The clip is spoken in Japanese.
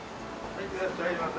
いらっしゃいませ。